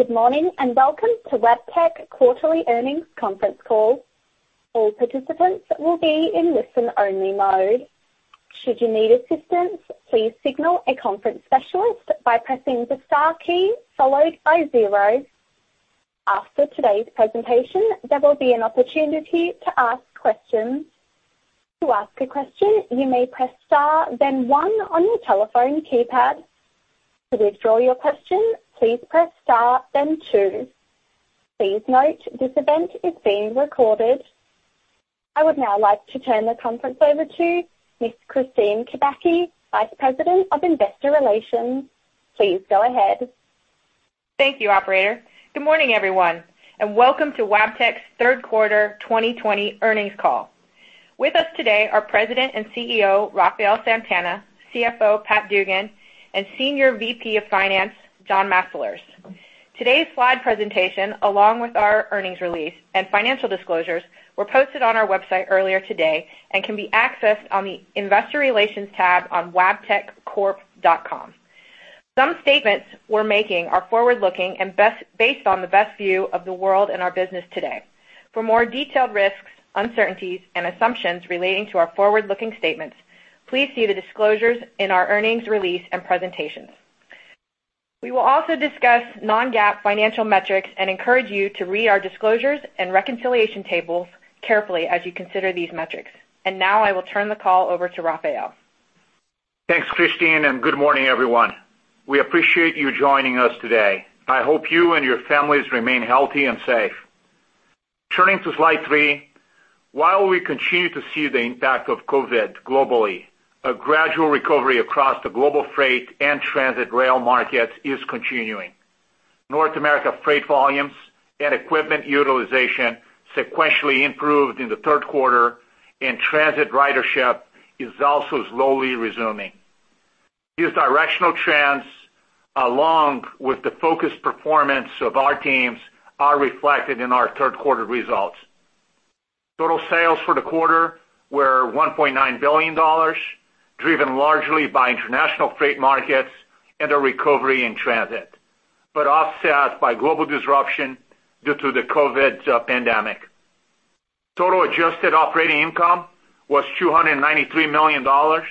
Good morning and welcome to Wabtec Quarterly Earnings Conference Call. All participants will be in listen-only mode. Should you need assistance, please signal a conference specialist by pressing the star key followed by zero. After today's presentation, there will be an opportunity to ask questions. To ask a question, you may press star, then one on your telephone keypad. To withdraw your question, please press star, then two. Please note this event is being recorded. I would now like to turn the conference over to Ms. Kristine Kubacki, Vice President of Investor Relations. Please go ahead. Thank you, operator. Good morning, everyone, and welcome to Wabtec's Third Quarter 2020 Earnings Call. With us today are President and CEO Rafael Santana, CFO Pat Dugan, and Senior VP of Finance John Mastalerz. Today's slide presentation, along with our earnings release and financial disclosures, were posted on our website earlier today and can be accessed on the Investor Relations tab on wabteccorp.com. Some statements we're making are forward-looking and based on the best view of the world and our business today. For more detailed risks, uncertainties, and assumptions relating to our forward-looking statements, please see the disclosures in our earnings release and presentations. We will also discuss non-GAAP financial metrics and encourage you to read our disclosures and reconciliation tables carefully as you consider these metrics. And now I will turn the call over to Rafael. Thanks, Kristine, and good morning, everyone. We appreciate you joining us today. I hope you and your families remain healthy and safe. Turning to slide three, while we continue to see the impact of COVID globally, a gradual recovery across the global freight and transit rail markets is continuing. North America freight volumes and equipment utilization sequentially improved in the third quarter, and transit ridership is also slowly resuming. These directional trends, along with the focused performance of our teams, are reflected in our third quarter results. Total sales for the quarter were $1.9 billion, driven largely by international freight markets and a recovery in transit, but offset by global disruption due to the COVID pandemic. Total adjusted operating income was $293 million,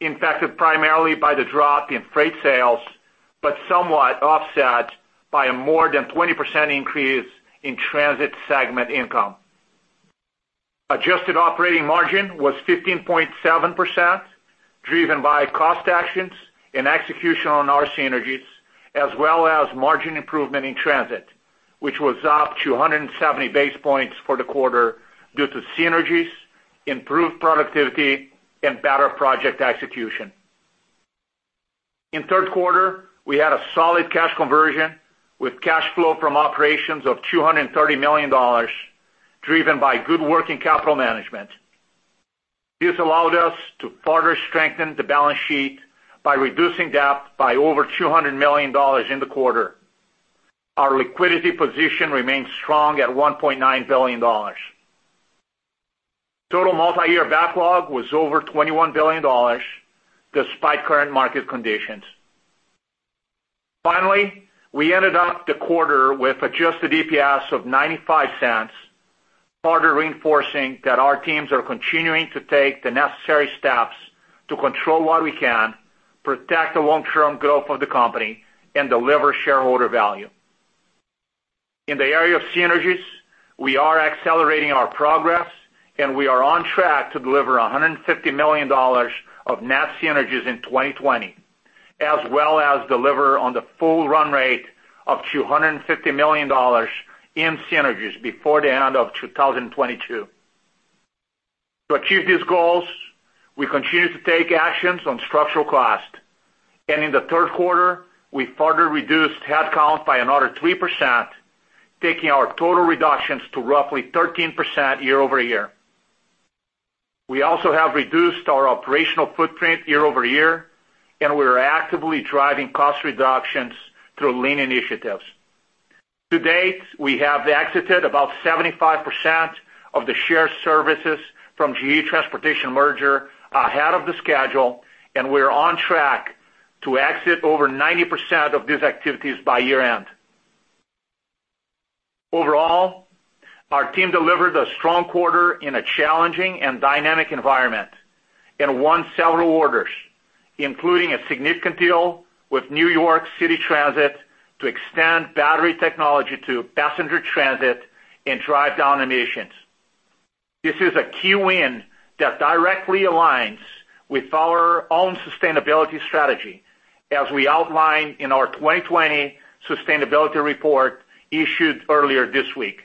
impacted primarily by the drop in freight sales, but somewhat offset by a more than 20% increase in transit segment income. Adjusted operating margin was 15.7%, driven by cost actions and execution on our synergies, as well as margin improvement in transit, which was up 270 basis points for the quarter due to synergies, improved productivity, and better project execution. In third quarter, we had a solid cash conversion with cash flow from operations of $230 million, driven by good working capital management. This allowed us to further strengthen the balance sheet by reducing debt by over $200 million in the quarter. Our liquidity position remained strong at $1.9 billion. Total multi-year backlog was over $21 billion, despite current market conditions. Finally, we ended up the quarter with adjusted EPS of $0.95, further reinforcing that our teams are continuing to take the necessary steps to control what we can, protect the long-term growth of the company, and deliver shareholder value. In the area of synergies, we are accelerating our progress, and we are on track to deliver $150 million of net synergies in 2020, as well as deliver on the full run rate of $250 million in synergies before the end of 2022. To achieve these goals, we continue to take actions on structural cost. In the third quarter, we further reduced headcount by another 3%, taking our total reductions to roughly 13% year-over-year. We also have reduced our operational footprint year over year, and we are actively driving cost reductions through lean initiatives. To date, we have exited about 75% of the shared services from GE Transportation merger ahead of schedule, and we are on track to exit over 90% of these activities by year-end. Overall, our team delivered a strong quarter in a challenging and dynamic environment and won several orders, including a significant deal with New York City Transit to extend battery technology to passenger transit and drive down emissions. This is a key win that directly aligns with our own sustainability strategy, as we outlined in our 2020 sustainability report issued earlier this week.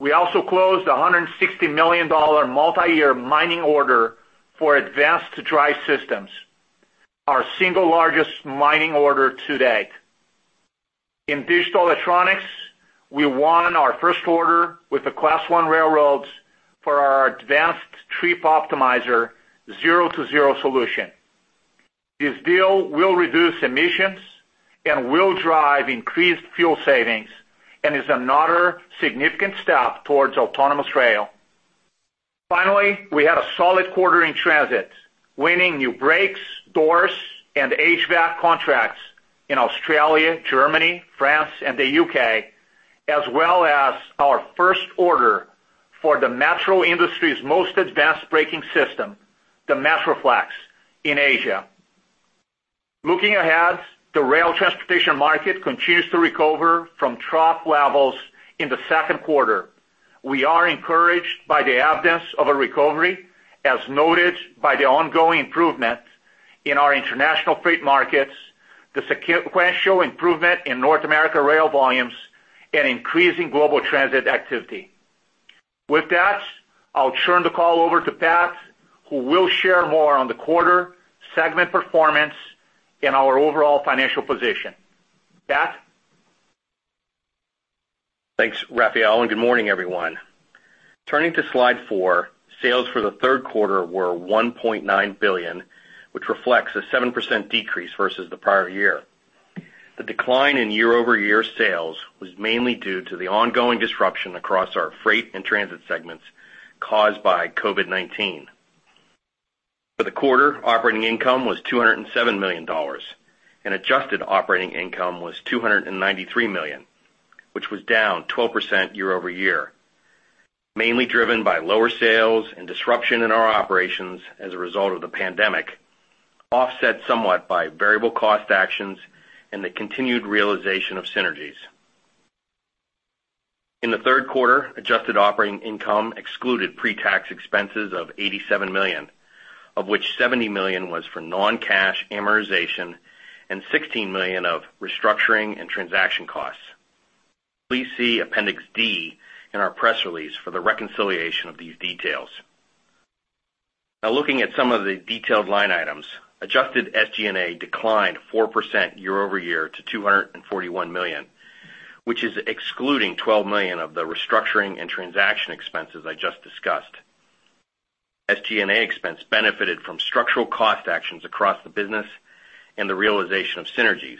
We also closed a $160 million multi-year mining order for advanced drive systems, our single largest mining order to date. In digital electronics, we won our first order with the Class I Railroads for our advanced Trip Optimizer Zero-to-Zero solution. This deal will reduce emissions and will drive increased fuel savings and is another significant step towards autonomous rail. Finally, we had a solid quarter in transit, winning new brakes, doors, and HVAC contracts in Australia, Germany, France, and the U.K., as well as our first order for the metro industry's most advanced braking system, the Metroflexx, in Asia. Looking ahead, the rail transportation market continues to recover from trough levels in the second quarter. We are encouraged by the evidence of a recovery, as noted by the ongoing improvement in our international freight markets, the sequential improvement in North America rail volumes, and increasing global transit activity. With that, I'll turn the call over to Pat, who will share more on the quarter, segment performance, and our overall financial position. Pat? Thanks, Rafael, and good morning, everyone. Turning to slide four, sales for the third quarter were $1.9 billion, which reflects a 7% decrease versus the prior year. The decline in year-over-year sales was mainly due to the ongoing disruption across our freight and transit segments caused by COVID-19. For the quarter, operating income was $207 million, and adjusted operating income was $293 million, which was down 12% year-over-year, mainly driven by lower sales and disruption in our operations as a result of the pandemic, offset somewhat by variable cost actions and the continued realization of synergies. In the third quarter, adjusted operating income excluded pre-tax expenses of $87 million, of which $70 million was for non-cash amortization and $16 million of restructuring and transaction costs. Please see Appendix D in our press release for the reconciliation of these details. Now, looking at some of the detailed line items, adjusted SG&A declined 4% year-over-year to $241 million, which is excluding $12 million of the restructuring and transaction expenses I just discussed. SG&A expense benefited from structural cost actions across the business and the realization of synergies.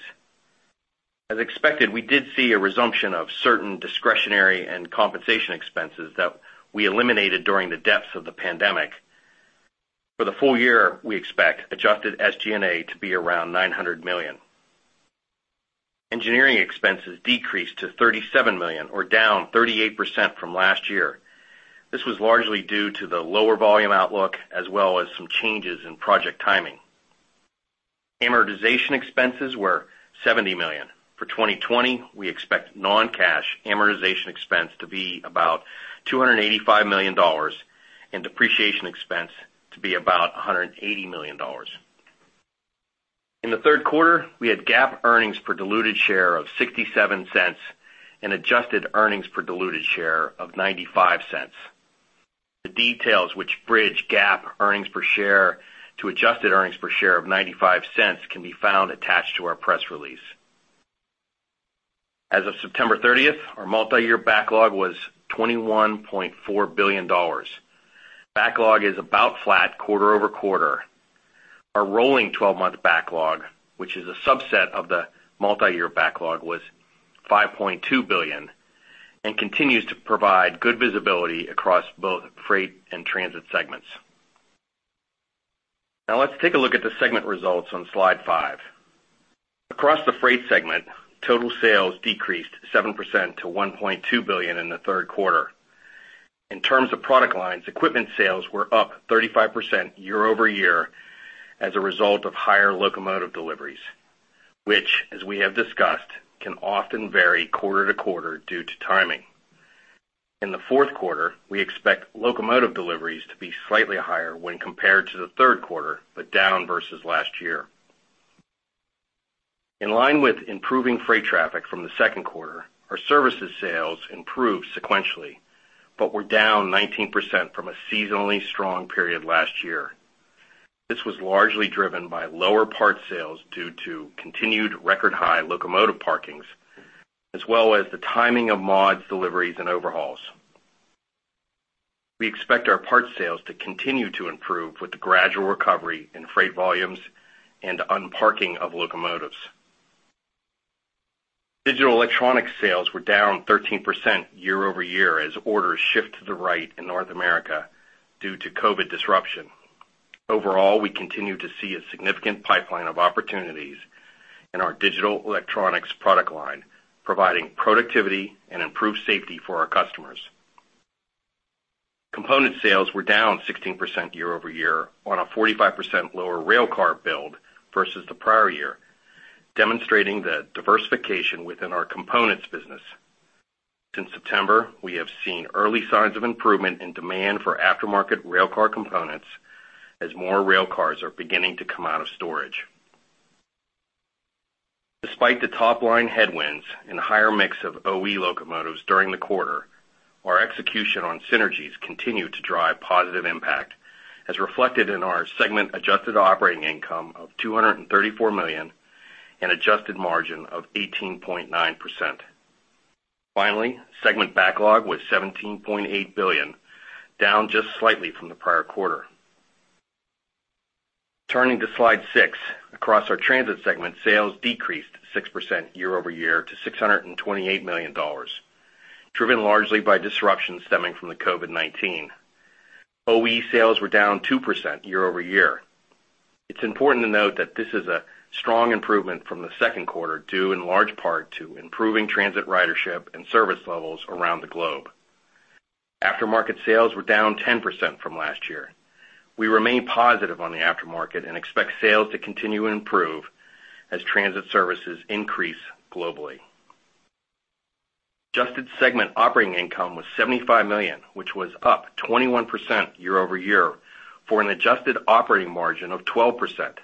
As expected, we did see a resumption of certain discretionary and compensation expenses that we eliminated during the depths of the pandemic. For the full year, we expect adjusted SG&A to be around $900 million. Engineering expenses decreased to $37 million, or down 38% from last year. This was largely due to the lower volume outlook as well as some changes in project timing. Amortization expenses were $70 million. For 2020, we expect non-cash amortization expense to be about $285 million and depreciation expense to be about $180 million. In the third quarter, we had GAAP earnings per diluted share of $0.67 and adjusted earnings per diluted share of $0.95. The details which bridge GAAP earnings per share to adjusted earnings per share of $0.95 can be found attached to our press release. As of September 30th, our multi-year backlog was $21.4 billion. Backlog is about flat quarter-over-quarter. Our rolling 12-month backlog, which is a subset of the multi-year backlog, was $5.2 billion and continues to provide good visibility across both freight and transit segments. Now, let's take a look at the segment results on slide five. Across the freight segment, total sales decreased 7% to $1.2 billion in the third quarter. In terms of product lines, equipment sales were up 35% year-over-year as a result of higher locomotive deliveries, which, as we have discussed, can often vary quarter to quarter due to timing. In the fourth quarter, we expect locomotive deliveries to be slightly higher when compared to the third quarter, but down versus last year. In line with improving freight traffic from the second quarter, our services sales improved sequentially, but were down 19% from a seasonally strong period last year. This was largely driven by lower parts sales due to continued record-high locomotive parkings, as well as the timing of mods, deliveries, and overhauls. We expect our parts sales to continue to improve with the gradual recovery in freight volumes and unparking of locomotives. Digital electronics sales were down 13% year-over-year as orders shifted to the right in North America due to COVID disruption. Overall, we continue to see a significant pipeline of opportunities in our digital electronics product line, providing productivity and improved safety for our customers. Component sales were down 16% year-over-year on a 45% lower rail car build versus the prior year, demonstrating the diversification within our components business. Since September, we have seen early signs of improvement in demand for aftermarket rail car components as more rail cars are beginning to come out of storage. Despite the top-line headwinds and a higher mix of OE locomotives during the quarter, our execution on synergies continued to drive positive impact, as reflected in our segment adjusted operating income of $234 million and adjusted margin of 18.9%. Finally, segment backlog was $17.8 billion, down just slightly from the prior quarter. Turning to slide six, across our transit segment, sales decreased 6% year over year to $628 million, driven largely by disruptions stemming from the COVID-19. OE sales were down 2% year-over-year. It's important to note that this is a strong improvement from the second quarter due in large part to improving transit ridership and service levels around the globe. Aftermarket sales were down 10% from last year. We remain positive on the aftermarket and expect sales to continue to improve as transit services increase globally. Adjusted segment operating income was $75 million, which was up 21% year-over-year for an adjusted operating margin of 12%.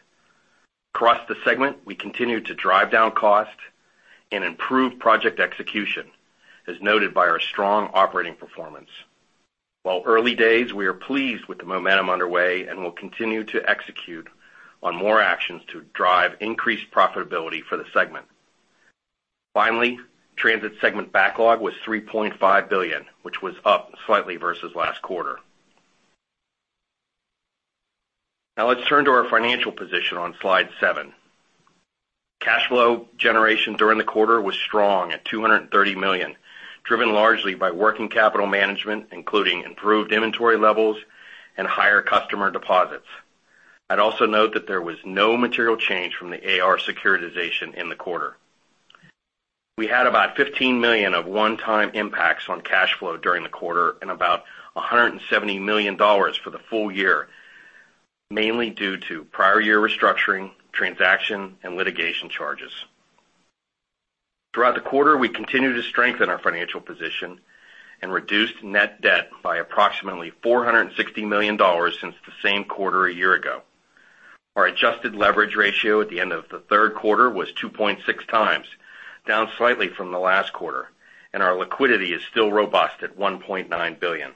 Across the segment, we continued to drive down cost and improve project execution, as noted by our strong operating performance. While early days, we are pleased with the momentum underway and will continue to execute on more actions to drive increased profitability for the segment. Finally, transit segment backlog was $3.5 billion, which was up slightly versus last quarter. Now, let's turn to our financial position on slide seven. Cash flow generation during the quarter was strong at $230 million, driven largely by working capital management, including improved inventory levels and higher customer deposits. I'd also note that there was no material change from the AR Securitization in the quarter. We had about $15 million of one-time impacts on cash flow during the quarter and about $170 million for the full year, mainly due to prior year restructuring, transaction, and litigation charges. Throughout the quarter, we continued to strengthen our financial position and reduced net debt by approximately $460 million since the same quarter a year ago. Our adjusted leverage ratio at the end of the third quarter was 2.6x, down slightly from the last quarter, and our liquidity is still robust at $1.9 billion.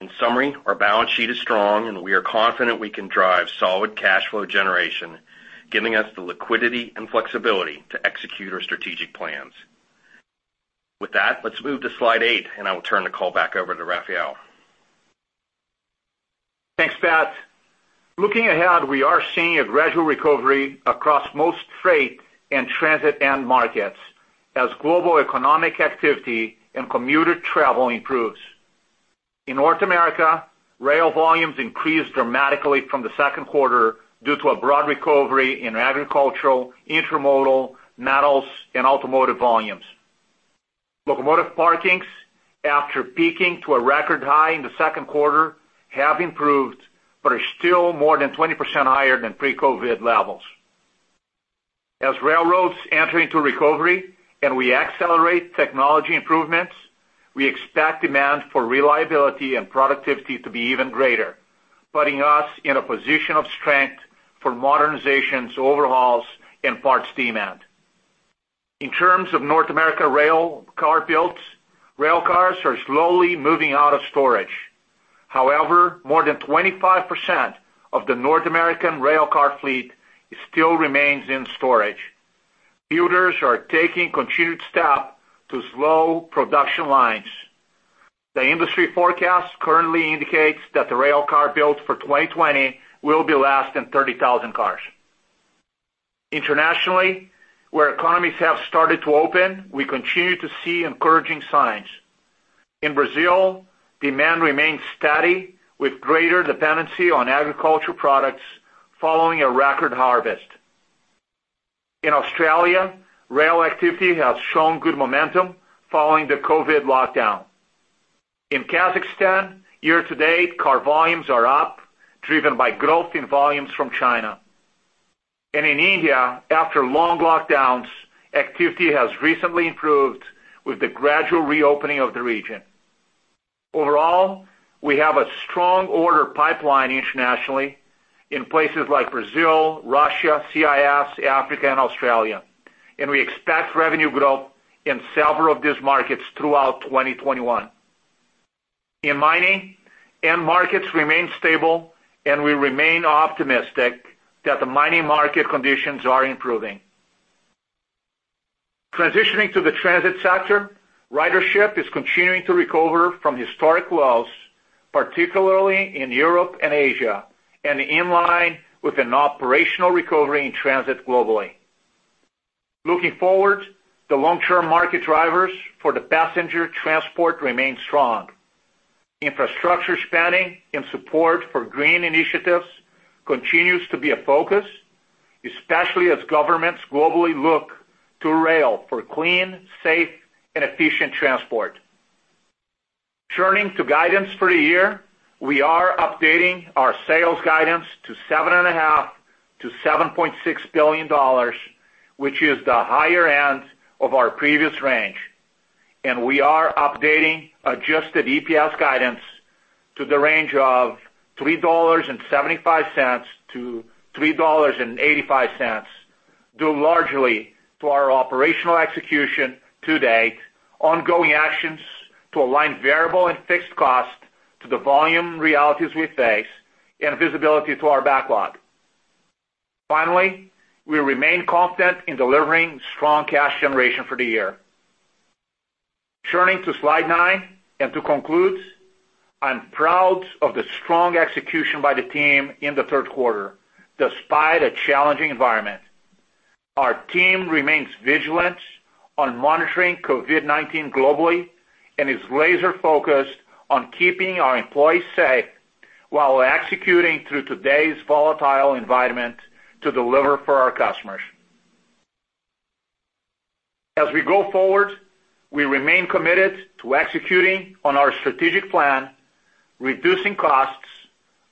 In summary, our balance sheet is strong, and we are confident we can drive solid cash flow generation, giving us the liquidity and flexibility to execute our strategic plans. With that, let's move to slide eight, and I will turn the call back over to Rafael. Thanks, Pat. Looking ahead, we are seeing a gradual recovery across most freight and transit end markets as global economic activity and commuter travel improves. In North America, rail volumes increased dramatically from the second quarter due to a broad recovery in agricultural, intermodal, metals, and automotive volumes. Locomotive parkings, after peaking to a record high in the second quarter, have improved but are still more than 20% higher than pre-COVID levels. As railroads enter into recovery and we accelerate technology improvements, we expect demand for reliability and productivity to be even greater, putting us in a position of strength for modernizations, overhauls, and parts demand. In terms of North America rail car builds, rail cars are slowly moving out of storage. However, more than 25% of the North American rail car fleet still remains in storage. Builders are taking continued steps to slow production lines. The industry forecast currently indicates that the rail car build for 2020 will be less than 30,000 cars. Internationally, where economies have started to open, we continue to see encouraging signs. In Brazil, demand remains steady with greater dependency on agricultural products following a record harvest. In Australia, rail activity has shown good momentum following the COVID lockdown. In Kazakhstan, year to date, car volumes are up, driven by growth in volumes from China, and in India, after long lockdowns, activity has recently improved with the gradual reopening of the region. Overall, we have a strong order pipeline internationally in places like Brazil, Russia, CIS, Africa, and Australia, and we expect revenue growth in several of these markets throughout 2021. In mining, end markets remain stable, and we remain optimistic that the mining market conditions are improving. Transitioning to the transit sector, ridership is continuing to recover from historic lows, particularly in Europe and Asia, and in line with an operational recovery in transit globally. Looking forward, the long-term market drivers for the passenger transport remain strong. Infrastructure spending and support for green initiatives continue to be a focus, especially as governments globally look to rail for clean, safe, and efficient transport. Turning to guidance for the year, we are updating our sales guidance to $7.5 billion-$7.6 billion, which is the higher end of our previous range. And we are updating adjusted EPS guidance to the range of $3.75-$3.85 due largely to our operational execution to date, ongoing actions to align variable and fixed costs to the volume realities we face, and visibility to our backlog. Finally, we remain confident in delivering strong cash generation for the year. Turning to slide nine and to conclude, I'm proud of the strong execution by the team in the third quarter, despite a challenging environment. Our team remains vigilant on monitoring COVID-19 globally and is laser-focused on keeping our employees safe while executing through today's volatile environment to deliver for our customers. As we go forward, we remain committed to executing on our strategic plan, reducing costs,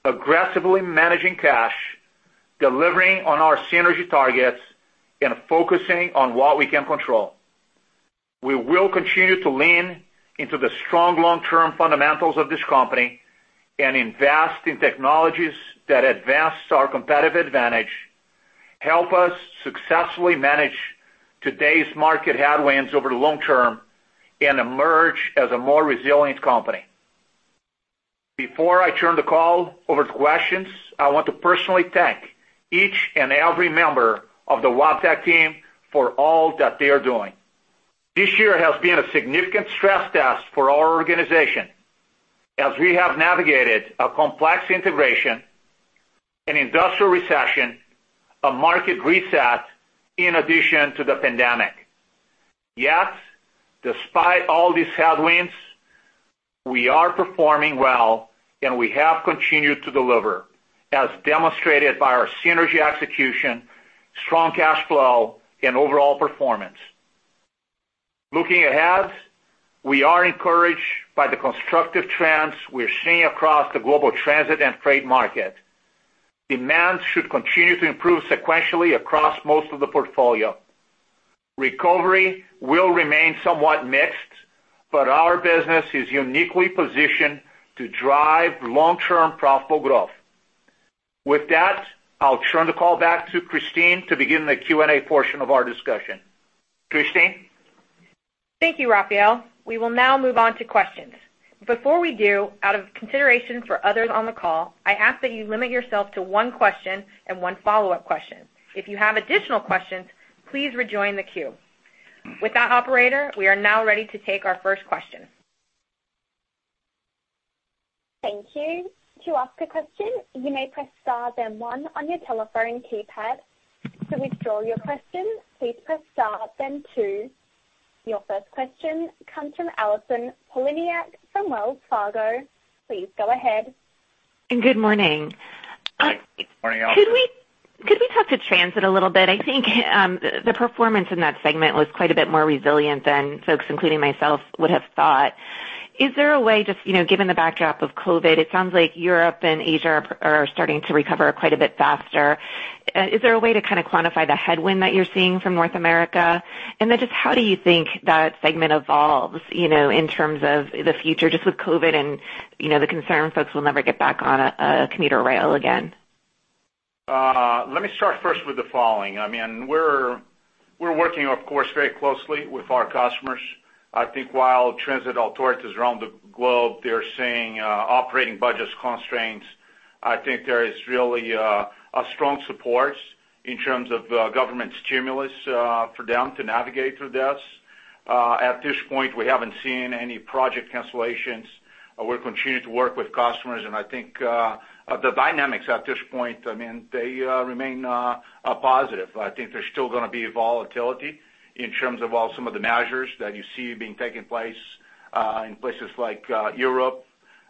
aggressively managing cash, delivering on our synergy targets, and focusing on what we can control. We will continue to lean into the strong long-term fundamentals of this company and invest in technologies that advance our competitive advantage, help us successfully manage today's market headwinds over the long term, and emerge as a more resilient company. Before I turn the call over to questions, I want to personally thank each and every member of the Wabtec team for all that they are doing. This year has been a significant stress test for our organization as we have navigated a complex integration, an industrial recession, a market reset, in addition to the pandemic. Yet, despite all these headwinds, we are performing well, and we have continued to deliver, as demonstrated by our synergy execution, strong cash flow, and overall performance. Looking ahead, we are encouraged by the constructive trends we're seeing across the global transit and freight market. Demand should continue to improve sequentially across most of the portfolio. Recovery will remain somewhat mixed, but our business is uniquely positioned to drive long-term profitable growth. With that, I'll turn the call back to Kristine to begin the Q&A portion of our discussion. Kristine? Thank you, Rafael. We will now move on to questions. Before we do, out of consideration for others on the call, I ask that you limit yourself to one question and one follow-up question. If you have additional questions, please rejoin the queue. With that, operator, we are now ready to take our first question. Thank you. To ask a question, you may press star then one on your telephone keypad. To withdraw your question, please press star then two. Your first question comes from Allison Poliniak-Cusic from Wells Fargo. Please go ahead. Good morning. Good morning, Allison. Could we talk to transit a little bit? I think the performance in that segment was quite a bit more resilient than folks, including myself, would have thought. Is there a way, just given the backdrop of COVID, it sounds like Europe and Asia are starting to recover quite a bit faster? Is there a way to kind of quantify the headwind that you're seeing from North America? And then just how do you think that segment evolves in terms of the future, just with COVID and the concern folks will never get back on a commuter rail again? Let me start first with the following. I mean, we're working, of course, very closely with our customers. I think, while transit authorities around the globe, they're seeing operating budget constraints, I think there is really a strong support in terms of government stimulus for them to navigate through this. At this point, we haven't seen any project cancellations. We're continuing to work with customers, and I think the dynamics at this point, I mean, they remain positive. I think there's still going to be volatility in terms of also some of the measures that you see being taken place in places like Europe,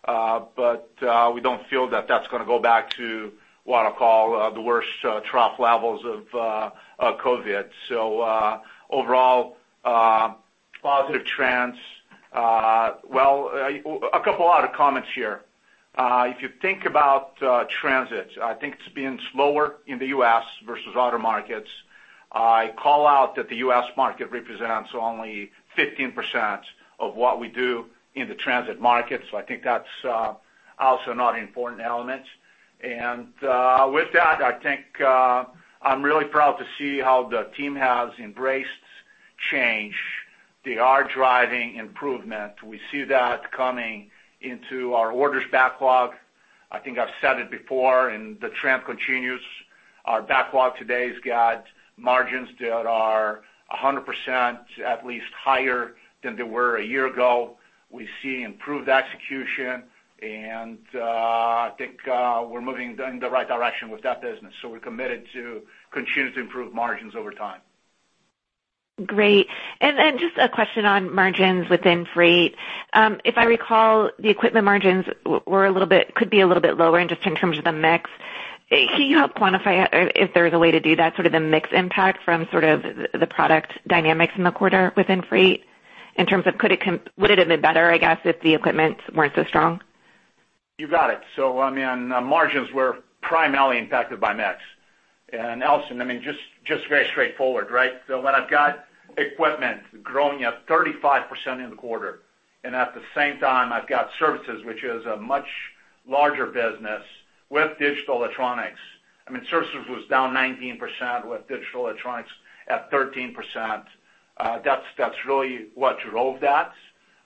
but we don't feel that that's going to go back to what I call the worst trough levels of COVID. So overall, positive trends, well, a couple of other comments here. If you think about transit, I think it's been slower in the U.S. versus other markets. I call out that the U.S. market represents only 15% of what we do in the transit market, so I think that's also not an important element. And with that, I think I'm really proud to see how the team has embraced change. They are driving improvement. We see that coming into our orders backlog. I think I've said it before, and the trend continues. Our backlog today has got margins that are 100%, at least, higher than they were a year ago. We see improved execution, and I think we're moving in the right direction with that business. So we're committed to continue to improve margins over time. Great. And then just a question on margins within freight. If I recall, the equipment margins were a little bit could be a little bit lower in just in terms of the mix. Can you help quantify if there's a way to do that, sort of the mix impact from sort of the product dynamics in the quarter within freight in terms of could it would it have been better, I guess, if the equipment weren't so strong? You got it. So I mean, margins were primarily impacted by mix. And Allison, I mean, just very straightforward, right? So when I've got equipment growing at 35% in the quarter, and at the same time, I've got services, which is a much larger business with digital electronics. I mean, services was down 19% with digital electronics at 13%. That's really what drove that.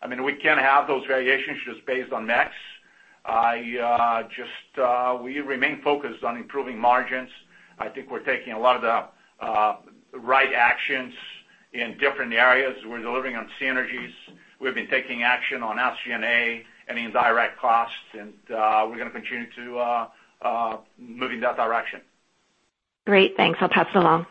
I mean, we can't have those variations just based on mix. Just, we remain focused on improving margins. I think we're taking a lot of the right actions in different areas. We're delivering on synergies. We've been taking action on SG&A and indirect costs, and we're going to continue to move in that direction. Great. Thanks. I'll pass it along.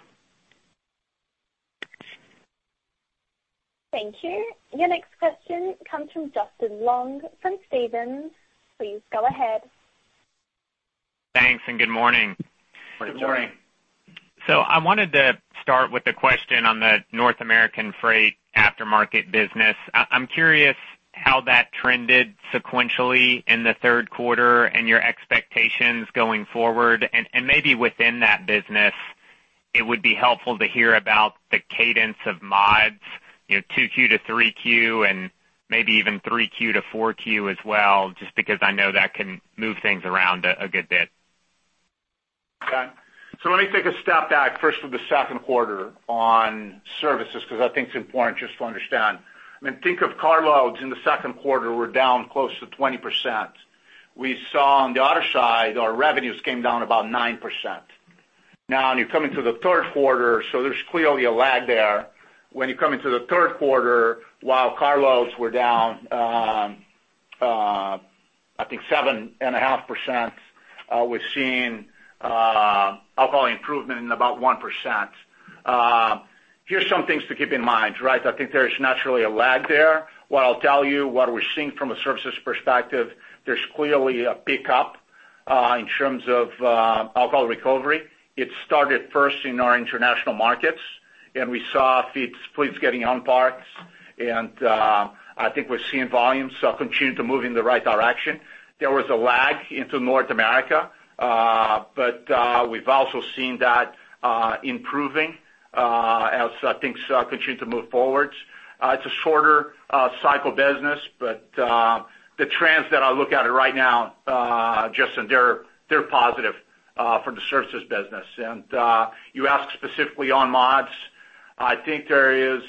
Thank you. Your next question comes from Justin Long from Stephens. Please go ahead. Thanks, and good morning. Good morning. So I wanted to start with the question on the North American freight aftermarket business. I'm curious how that trended sequentially in the third quarter and your expectations going forward. And maybe within that business, it would be helpful to hear about the cadence of mods, 2Q to 3Q, and maybe even 3Q to 4Q as well, just because I know that can move things around a good bit. Okay. So let me take a step back first from the second quarter on services because I think it's important just to understand. I mean, think of carloads in the second quarter. We're down close to 20%. We saw on the other side, our revenues came down about 9%. Now, when you come into the third quarter, so there's clearly a lag there. When you come into the third quarter, while carloads were down, I think, 7.5%, we've seen sequential improvement in about 1%. Here's some things to keep in mind, right? I think there's naturally a lag there. What I'll tell you, what we're seeing from a services perspective, there's clearly a pickup in terms of sequential recovery. It started first in our international markets, and we saw fleets getting on parts, and I think we're seeing volumes continue to move in the right direction. There was a lag into North America, but we've also seen that improving as things continue to move forward. It's a shorter cycle business, but the trends that I look at right now, Justin, they're positive for the services business. And you ask specifically on mods, I think there's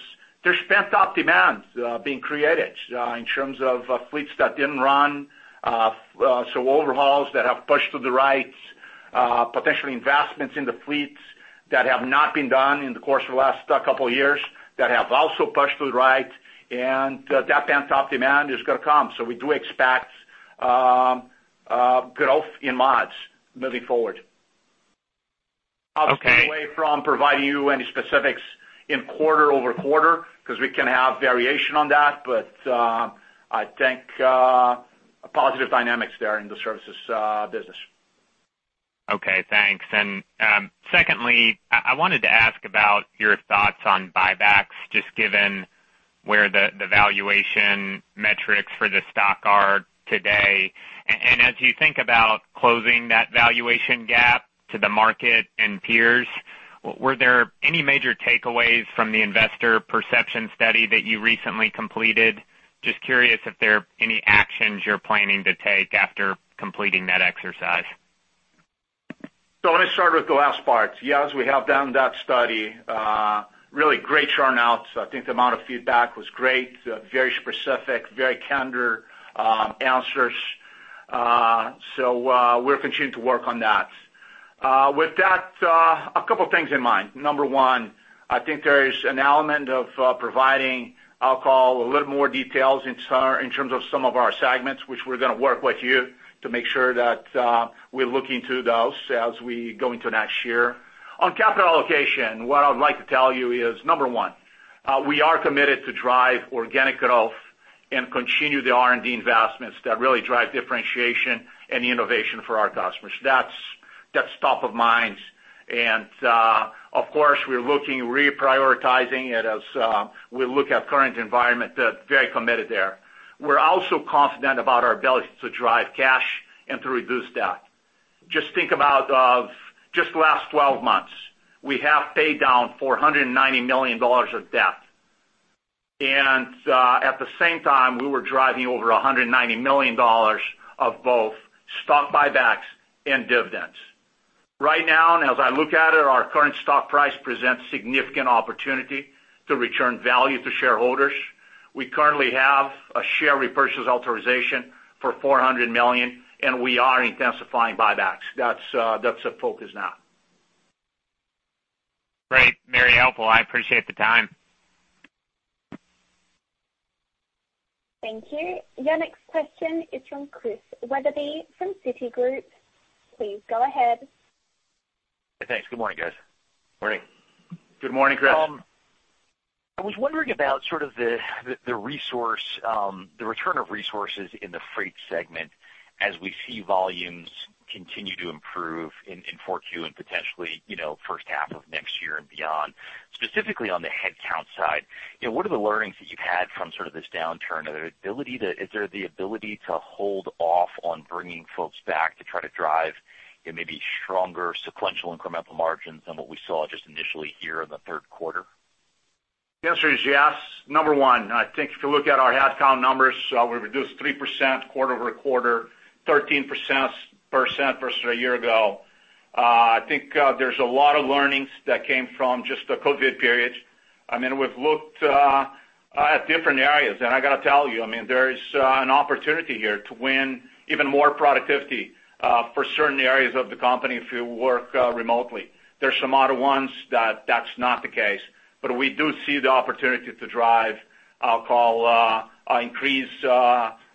pent-up demand being created in terms of fleets that didn't run, so overhauls that have pushed to the right, potentially investments in the fleets that have not been done in the course of the last couple of years that have also pushed to the right, and that pent-up demand is going to come. So we do expect growth in mods moving forward. I'll stay away from providing you any specifics in quarter over quarter because we can have variation on that, but I think positive dynamics there in the services business. Okay. Thanks. And secondly, I wanted to ask about your thoughts on buybacks, just given where the valuation metrics for the stock are today. And as you think about closing that valuation gap to the market and peers, were there any major takeaways from the investor perception study that you recently completed? Just curious if there are any actions you're planning to take after completing that exercise. I want to start with the last part. Yes, we have done that study. Really great turnout. I think the amount of feedback was great, very specific, very candid answers. We're continuing to work on that. With that, a couple of things in mind. Number one, I think there is an element of providing a little more details in terms of some of our segments, which we're going to work with you to make sure that we're looking to those as we go into next year. On capital allocation, what I'd like to tell you is, number one, we are committed to drive organic growth and continue the R&D investments that really drive differentiation and innovation for our customers. That's top of mind. Of course, we're looking to reprioritizing it as we look at current environment, very committed there. We're also confident about our ability to drive cash and to reduce debt. Just think about just the last 12 months. We have paid down $490 million of debt, and at the same time, we were driving over $190 million of both stock buybacks and dividends. Right now, as I look at it, our current stock price presents significant opportunity to return value to shareholders. We currently have a share repurchase authorization for $400 million, and we are intensifying buybacks. That's a focus now. Great. Very helpful. I appreciate the time. Thank you. Your next question is from Chris Wetherbee from Citigroup. Please go ahead. Thanks. Good morning, guys. Morning. Good morning, Chris. I was wondering about sort of the return of resources in the freight segment as we see volumes continue to improve in 4Q and potentially first half of next year and beyond, specifically on the headcount side. What are the learnings that you've had from sort of this downturn? Is there the ability to hold off on bringing folks back to try to drive maybe stronger sequential incremental margins than what we saw just initially here in the third quarter? The answer is yes. Number one, I think if you look at our headcount numbers, we reduced 3% quarter over quarter, 13% versus a year ago. I think there's a lot of learnings that came from just the COVID period. I mean, we've looked at different areas, and I got to tell you, I mean, there's an opportunity here to win even more productivity for certain areas of the company if you work remotely. There's some other ones that that's not the case, but we do see the opportunity to drive overall increase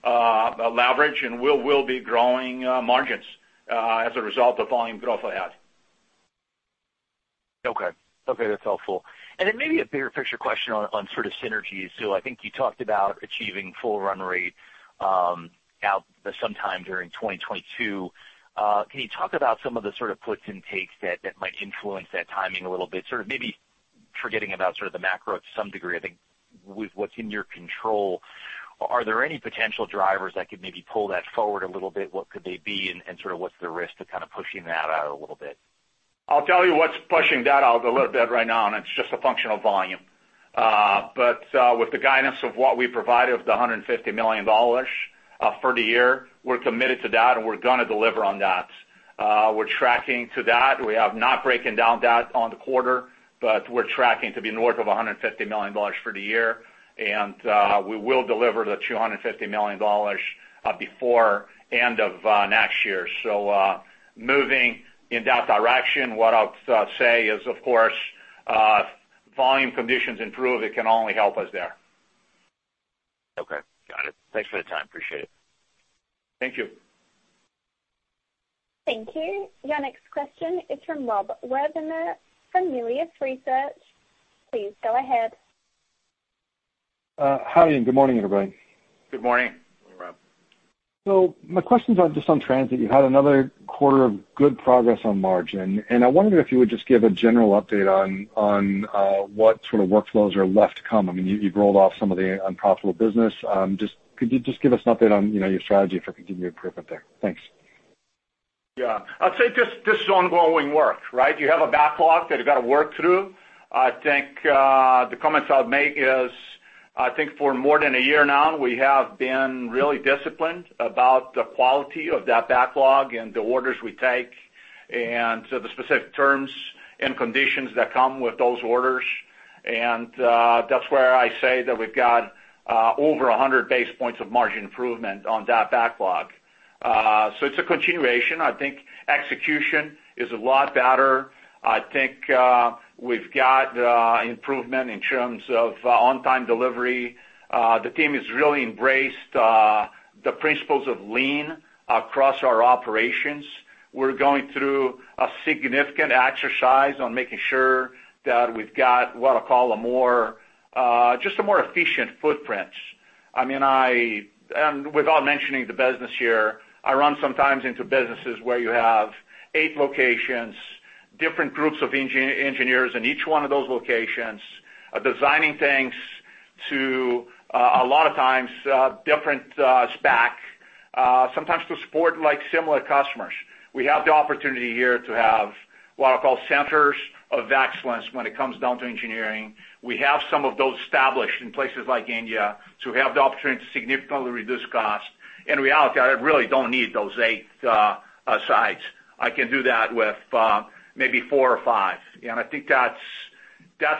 leverage, and we will be growing marg ins as a result of volume growth ahead. Okay. Okay. That's helpful. And then maybe a bigger picture question on sort of synergies. So I think you talked about achieving full run rate out sometime during 2022. Can you talk about some of the sort of puts and takes that might influence that timing a little bit? Sort of maybe forgetting about sort of the macro to some degree, I think with what's in your control, are there any potential drivers that could maybe pull that forward a little bit? What could they be, and sort of what's the risk of kind of pushing that out a little bit? I'll tell you what's pushing that out a little bit right now, and it's just a function of volume. But with the guidance of what we provided of the $150 million for the year, we're committed to that, and we're going to deliver on that. We're tracking to that. We have not broken down that on the quarter, but we're tracking to be north of $150 million for the year, and we will deliver the $250 million before the end of next year, so moving in that direction, what I'll say is, of course, volume conditions improve. It can only help us there. Okay. Got it. Thanks for the time. Appreciate it. Thank you. Thank you. Your next question is from Rob Wertheimer from Melius Research. Please go ahead. Hi. And good morning, everybody. Good morning. My questions are just on transit. You had another quarter of good progress on margin, and I wondered if you would just give a general update on what sort of workflows are left to come. I mean, you've rolled off some of the unprofitable business. Could you just give us an update on your strategy for continued improvement there? Thanks. Yeah. I'd say just this ongoing work, right? You have a backlog that you've got to work through. I think the comments I'll make is, I think for more than a year now, we have been really disciplined about the quality of that backlog and the orders we take and the specific terms and conditions that come with those orders. And that's where I say that we've got over 100 basis points of margin improvement on that backlog. So it's a continuation. I think execution is a lot better. I think we've got improvement in terms of on-time delivery. The team has really embraced the principles of lean across our operations. We're going through a significant exercise on making sure that we've got what I call just a more efficient footprint. I mean, and without mentioning the business here, I run sometimes into businesses where you have eight locations, different groups of engineers in each one of those locations designing things to a lot of times different spec, sometimes to support similar customers. We have the opportunity here to have what I call centers of excellence when it comes down to engineering. We have some of those established in places like India to have the opportunity to significantly reduce cost. In reality, I really don't need those eight sites. I can do that with maybe four or five. And I think that's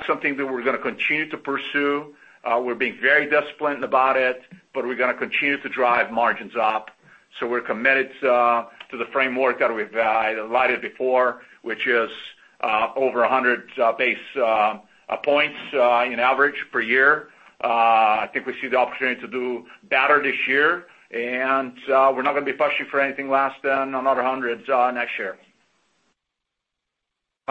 something that we're going to continue to pursue. We're being very disciplined about it, but we're going to continue to drive margins up. So we're committed to the framework that we've already before, which is over 100 basis points in average per year. I think we see the opportunity to do better this year, and we're not going to be pushing for anything less than another 100 next year.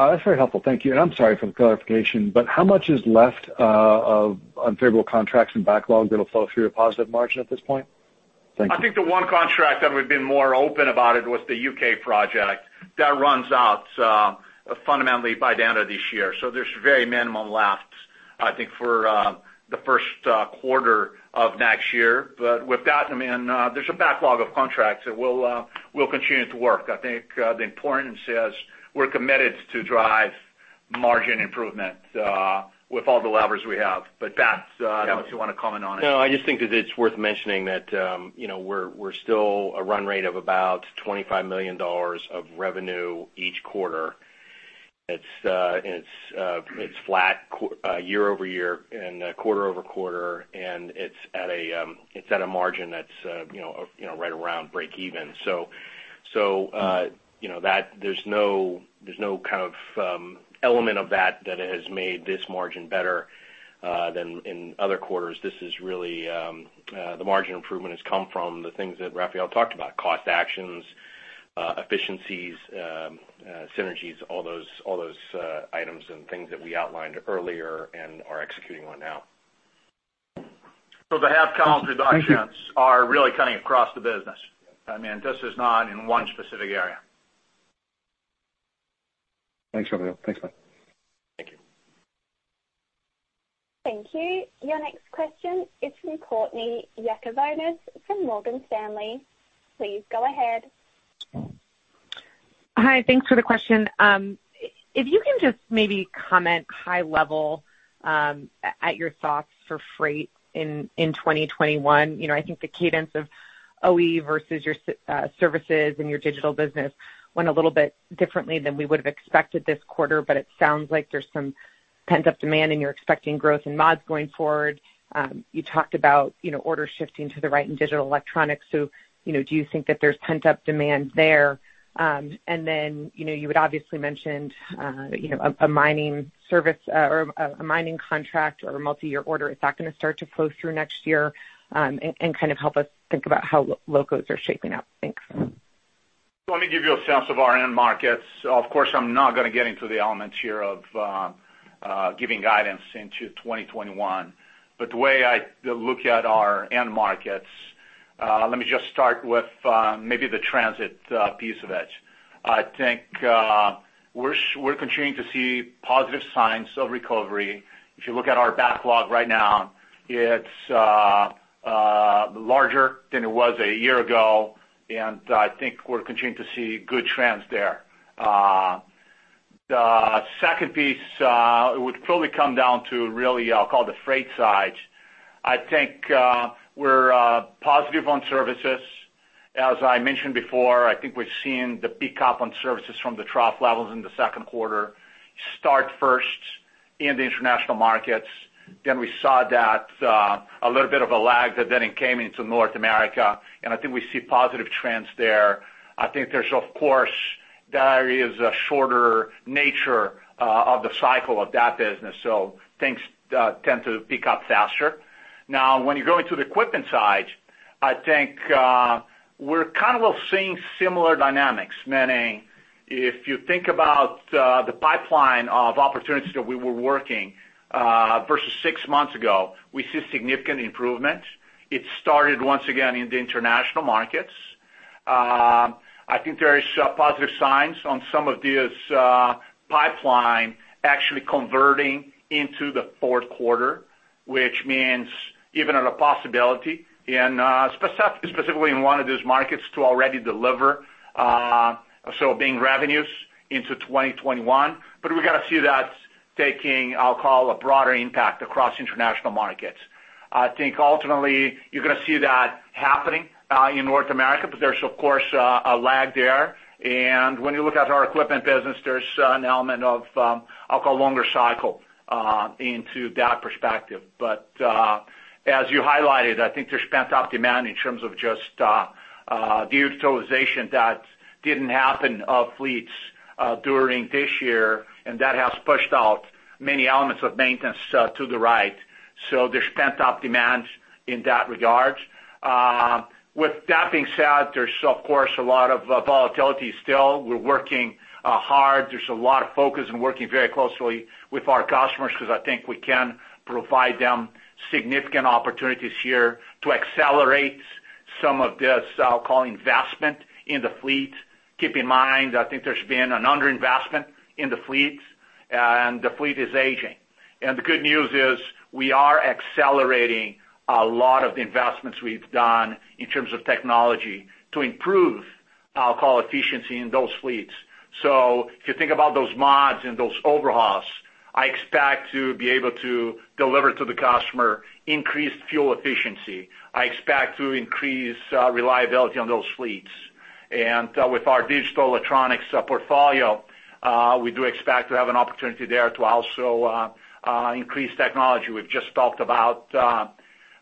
That's very helpful. Thank you. And I'm sorry for the clarification, but how much is left of unfavorable contracts and backlog that will flow through a positive margin at this point? Thank you. I think the one contract that we've been more open about it was the U.K. project that runs out fundamentally by the end of this year. So there's very minimal left, I think, for the first quarter of next year. But with that, I mean, there's a backlog of contracts that we'll continue to work. I think the importance is we're committed to drive margin improvement with all the levers we have. But Pat, unless you want to comment on it. No, I just think that it's worth mentioning that we're still a run rate of about $25 million of revenue each quarter. It's flat year over year and quarter over quarter, and it's at a margin that's right around break-even. So there's no kind of element of that that has made this margin better than in other quarters. This is really the margin improvement has come from the things that Rafael talked about: cost actions, efficiencies, synergies, all those items and things that we outlined earlier and are executing on now. So the headcount reductions are really cutting across the business. I mean, this is not in one specific area. Thanks, Rafael. Thanks, Pat. Thank you. Thank you. Your next question is from Courtney Yakavonis from Morgan Stanley. Please go ahead. Hi. Thanks for the question. If you can just maybe comment high level at your thoughts for freight in 2021. I think the cadence of OE versus your services and your digital business went a little bit differently than we would have expected this quarter, but it sounds like there's some pent-up demand and you're expecting growth in mods going forward. You talked about orders shifting to the right in digital electronics. So do you think that there's pent-up demand there? And then you had obviously mentioned a mining service or a mining contract or a multi-year order. Is that going to start to flow through next year and kind of help us think about how locos are shaping up? Thanks. Let me give you a sense of our end markets. Of course, I'm not going to get into the elements here of giving guidance into 2021, but the way I look at our end markets, let me just start with maybe the transit piece of it. I think we're continuing to see positive signs of recovery. If you look at our backlog right now, it's larger than it was a year ago, and I think we're continuing to see good trends there. The second piece would probably come down to really I'll call the freight side. I think we're positive on services. As I mentioned before, I think we've seen the pickup on services from the trough levels in the second quarter start first in the international markets. Then we saw that a little bit of a lag that then came into North America, and I think we see positive trends there. I think there's, of course, that is a shorter nature of the cycle of that business. So things tend to pick up faster. Now, when you go into the equipment side, I think we're kind of seeing similar dynamics, meaning if you think about the pipeline of opportunities that we were working versus six months ago, we see significant improvement. It started once again in the international markets. I think there are positive signs on some of these pipelines actually converting into the fourth quarter, which means even a possibility and specifically in one of these markets to already deliver, so bringing revenues into 2021. But we got to see that taking, I'll call it a broader impact across international markets. I think ultimately you're going to see that happening in North America, but there's, of course, a lag there. And when you look at our equipment business, there's an element of, I'll call, longer cycle into that perspective. But as you highlighted, I think there's pent-up demand in terms of just the utilization that didn't happen of fleets during this year, and that has pushed out many elements of maintenance to the right. So there's pent-up demand in that regard. With that being said, there's, of course, a lot of volatility still. We're working hard. There's a lot of focus and working very closely with our customers because I think we can provide them significant opportunities here to accelerate some of this, I'll call, investment in the fleet. Keep in mind, I think there's been an underinvestment in the fleets, and the fleet is aging. And the good news is we are accelerating a lot of the investments we've done in terms of technology to improve, I'll call efficiency in those fleets. So if you think about those mods and those overhauls, I expect to be able to deliver to the customer increased fuel efficiency. I expect to increase reliability on those fleets. And with our digital electronics portfolio, we do expect to have an opportunity there to also increase technology. We've just talked about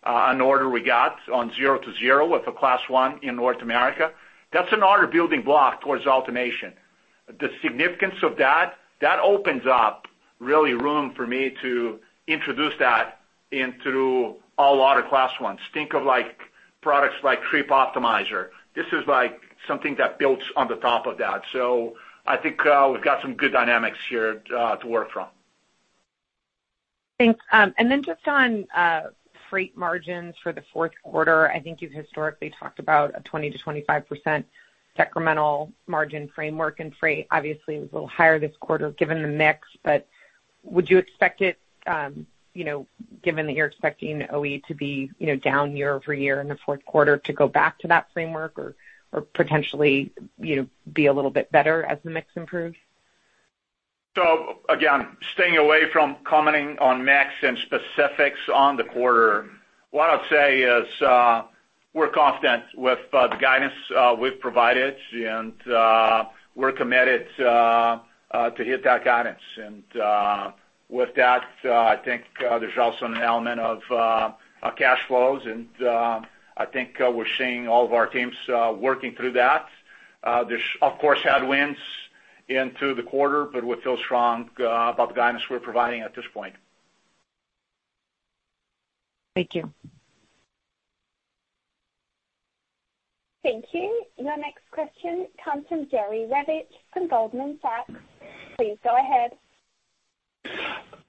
an order we got on Zero-to-Zero with a Class I in North America. That's another building block towards automation. The significance of that, that opens up really room for me to introduce that into all other Class Is. Think of products like Trip Optimizer. This is something that builds on the top of that. So I think we've got some good dynamics here to work from. Thanks. And then just on freight margins for the fourth quarter, I think you've historically talked about a 20%-25% decremental margin framework, and freight obviously was a little higher this quarter given the mix. But would you expect it, given that you're expecting OE to be down year-over-year in the fourth quarter, to go back to that framework or potentially be a little bit better as the mix improves? So again, staying away from commenting on mix and specifics on the quarter, what I'd say is we're confident with the guidance we've provided, and we're committed to hit that guidance. And with that, I think there's also an element of cash flows, and I think we're seeing all of our teams working through that. There's, of course, headwinds into the quarter, but we feel strong about the guidance we're providing at this point. Thank you. Thank you. Your next question comes from Jerry Revich from Goldman Sachs. Please go ahead.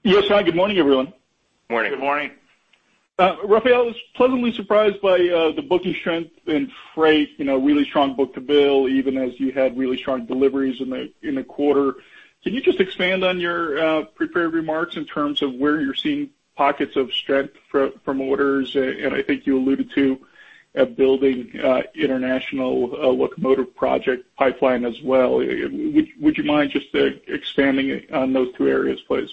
Yes, hi. Good morning, everyone. Good morning. Good morning. Rafael, I was pleasantly surprised by the booking strength in freight, really strong book to bill, even as you had really strong deliveries in the quarter. Can you just expand on your prepared remarks in terms of where you're seeing pockets of strength from orders? And I think you alluded to a building international locomotive project pipeline as well. Would you mind just expanding on those two areas, please?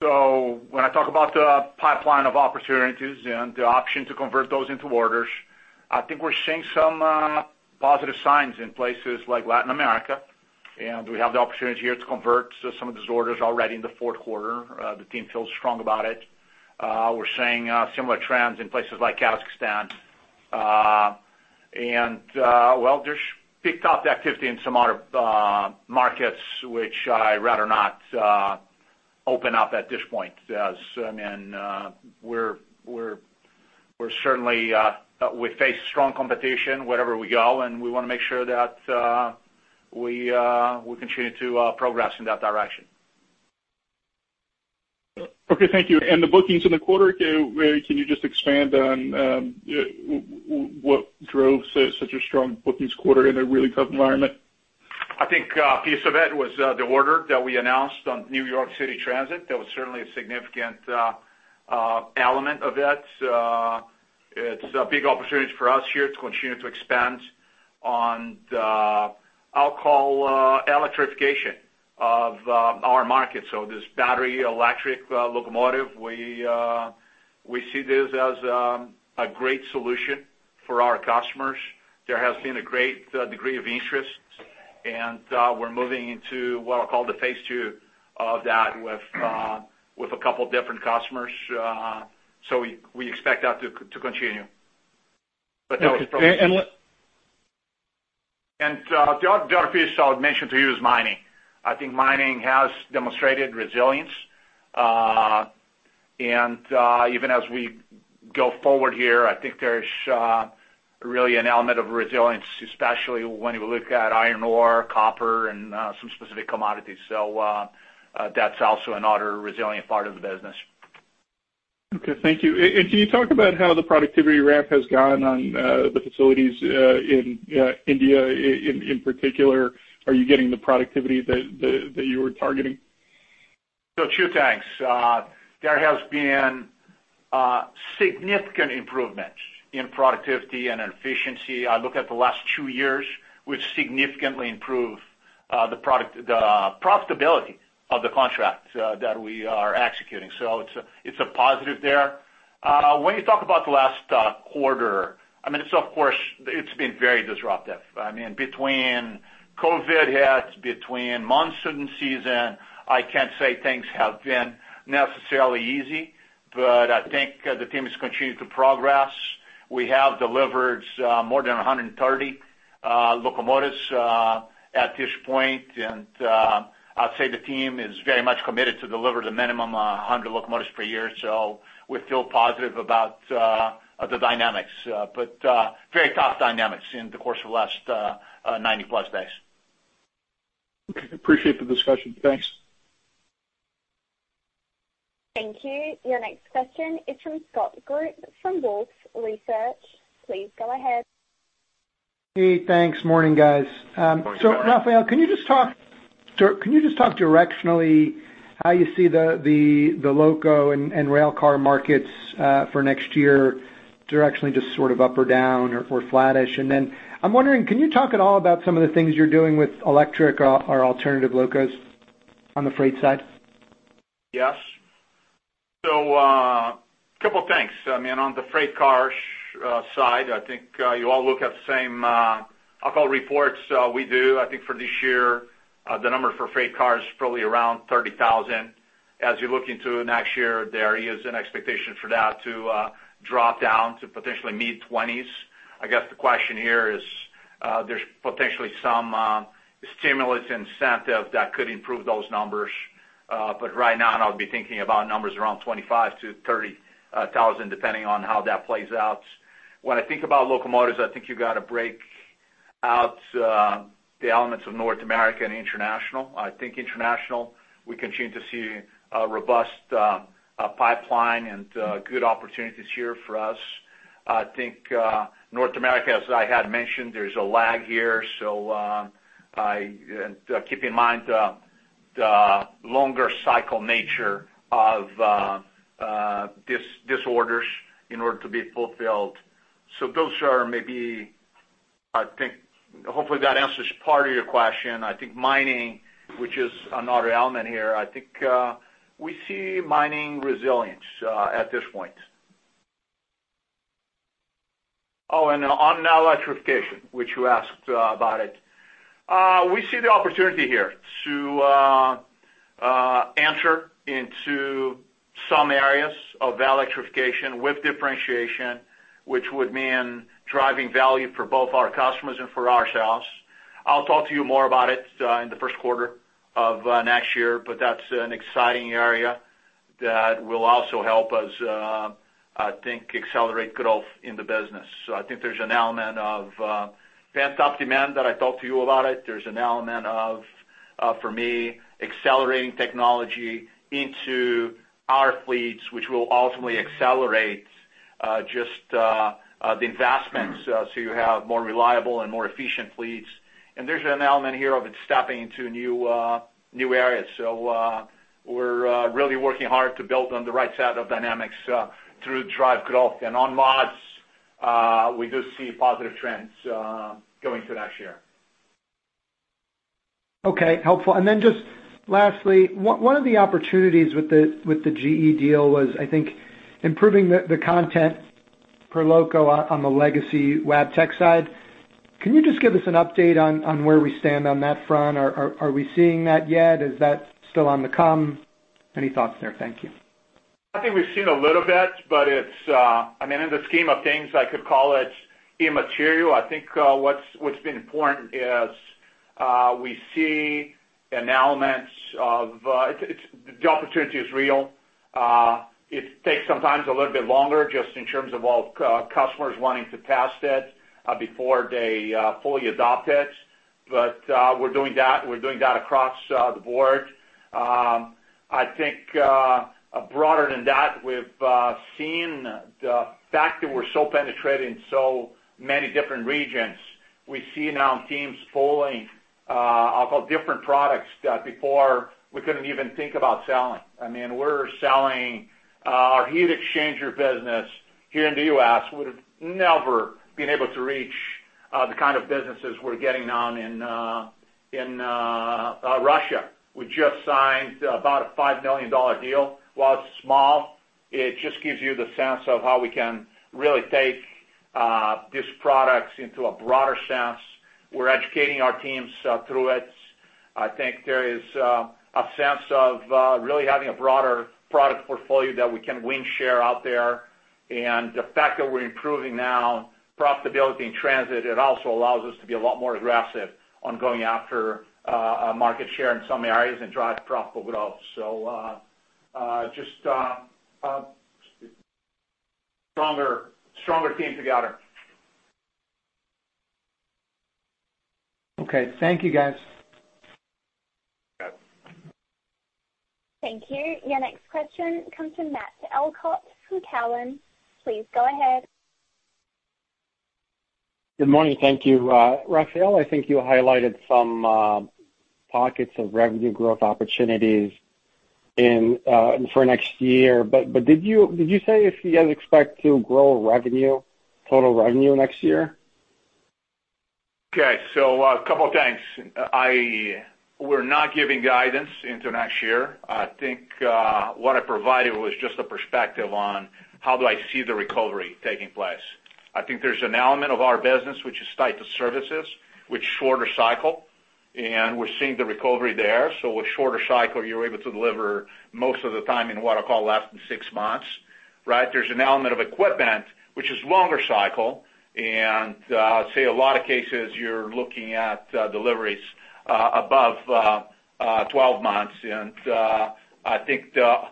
When I talk about the pipeline of opportunities and the option to convert those into orders, I think we're seeing some positive signs in places like Latin America, and we have the opportunity here to convert some of these orders already in the fourth quarter. The team feels strong about it. We're seeing similar trends in places like Kazakhstan. There's picked up activity in some other markets, which I'd rather not open up at this point. I mean, we're certainly facing strong competition wherever we go, and we want to make sure that we continue to progress in that direction. Okay. Thank you. And the bookings in the quarter, can you just expand on what drove such a strong bookings quarter in a really tough environment? I think a piece of it was the order that we announced on New York City Transit. That was certainly a significant element of it. It's a big opportunity for us here to continue to expand on the, I'll call, electrification of our market. So this battery electric locomotive, we see this as a great solution for our customers. There has been a great degree of interest, and we're moving into what I'll call the phase two of that with a couple of different customers. So we expect that to continue. And. The other piece I would mention to you is mining. I think mining has demonstrated resilience. Even as we go forward here, I think there's really an element of resilience, especially when you look at iron ore, copper, and some specific commodities. That's also another resilient part of the business. Okay. Thank you. And can you talk about how the productivity ramp has gone on the facilities in India in particular? Are you getting the productivity that you were targeting? So, two things. There has been significant improvements in productivity and efficiency. I look at the last two years, we've significantly improved the profitability of the contract that we are executing. So it's a positive there. When you talk about the last quarter, I mean, of course, it's been very disruptive. I mean, between COVID, between monsoon season, I can't say things have been necessarily easy, but I think the team is continuing to progress. We have delivered more than 130 locomotives at this point, and I'd say the team is very much committed to deliver the minimum 100 locomotives per year. So we feel positive about the dynamics, but very tough dynamics in the course of the last 90+ days. Okay. Appreciate the discussion. Thanks. Thank you. Your next question is from Scott Group from Wolfe Research. Please go ahead. Hey, thanks. Morning, guys. Morning, guys. So Rafael, can you just talk directionally how you see the loco and railcar markets for next year? Directionally just sort of up or down or flattish. And then I'm wondering, can you talk at all about some of the things you're doing with electric or alternative locos on the freight side? Yes. So a couple of things. I mean, on the freight car side, I think you all look at the same, I'll call, reports we do. I think for this year, the number for freight car is probably around 30,000. As you look into next year, there is an expectation for that to drop down to potentially mid-20s. I guess the question here is there's potentially some stimulus incentive that could improve those numbers. But right now, I'd be thinking about numbers around 25,000-30,000, depending on how that plays out. When I think about locomotives, I think you got to break out the elements of North America and international. I think international, we continue to see a robust pipeline and good opportunities here for us. I think North America, as I had mentioned, there's a lag here. Keep in mind the longer cycle nature of these orders in order to be fulfilled. Those are maybe, I think, hopefully that answers part of your question. I think mining, which is another element here, I think we see mining resilience at this point. Oh, and on electrification, which you asked about it, we see the opportunity here to enter into some areas of electrification with differentiation, which would mean driving value for both our customers and for ourselves. I'll talk to you more about it in the first quarter of next year, but that's an exciting area that will also help us, I think, accelerate growth in the business. I think there's an element of pent-up demand that I talked to you about it. There's an element of, for me, accelerating technology into our fleets, which will ultimately accelerate just the investments so you have more reliable and more efficient fleets. And there's an element here of it stepping into new areas. So we're really working hard to build on the right side of dynamics through drive growth. And on mods, we do see positive trends going into next year. Okay. Helpful, and then just lastly, one of the opportunities with the GE deal was, I think, improving the content per loco on the legacy Wabtec side. Can you just give us an update on where we stand on that front? Are we seeing that yet? Is that still on the come? Any thoughts there? Thank you. I think we've seen a little bit, but I mean, in the scheme of things, I could call it immaterial. I think what's been important is we see an element of the opportunity is real. It takes sometimes a little bit longer just in terms of all customers wanting to test it before they fully adopt it. But we're doing that. We're doing that across the board. I think broader than that, we've seen the fact that we're so penetrating so many different regions. We see now teams pulling, I'll call, different products that before we couldn't even think about selling. I mean, we're selling our heat exchanger business here in the U.S. would have never been able to reach the kind of businesses we're getting on in Russia. We just signed about a $5 million deal. While it's small, it just gives you the sense of how we can really take these products into a broader sense. We're educating our teams through it. I think there is a sense of really having a broader product portfolio that we can win share out there. And the fact that we're improving our profitability in transit, it also allows us to be a lot more aggressive on going after market share in some areas and drive profitable growth. So just stronger team together. Okay. Thank you, guys. Thank you. Your next question comes from Matt Elkott from Cowen. Please go ahead. Good morning. Thank you. Rafael, I think you highlighted some pockets of revenue growth opportunities for next year. But did you say if you guys expect to grow revenue, total revenue next year? Okay, so a couple of things. We're not giving guidance into next year. I think what I provided was just a perspective on how do I see the recovery taking place. I think there's an element of our business, which is tied to services, which is shorter cycle, and we're seeing the recovery there, so with shorter cycle, you're able to deliver most of the time in what I'll call less than six months, right? There's an element of equipment, which is longer cycle, and I'd say a lot of cases, you're looking at deliveries above 12 months. And I think the